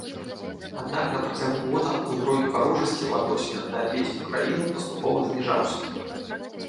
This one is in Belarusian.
Аднак на працягу года ўзровень варожасці ў адносінах да абедзвюх краінаў паступова зніжаўся.